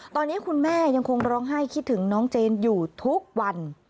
ตอนนี้คุณแม่ยังคงร้องไห้คิดถึงน้องเจนอยู่ทุกวัน